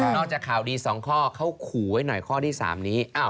จากข่าวดี๒ข้อเขาขู่ไว้หน่อยข้อที่๓นี้